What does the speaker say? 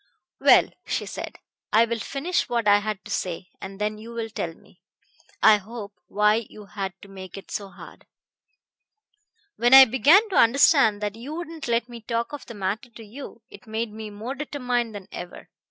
"Well," she said, "I will finish what I had to say, and then you will tell me, I hope, why you had to make it so hard. When I began to understand that you wouldn't let me talk of the matter to you, it made me more determined than ever.